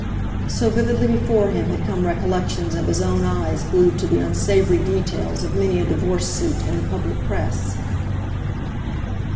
So vividly before him had come recollection of his own eyes glued to the unsavoury details of many a divorce suit in the Public Press.